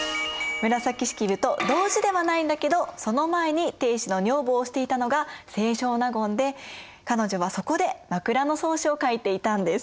紫式部と同時ではないんだけどその前に定子の女房をしていたのが清少納言で彼女はそこで「枕草子」を書いていたんです。